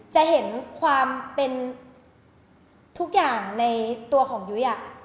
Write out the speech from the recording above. จะเห็นความเป็นทุกอย่างในตัวของยุ้ย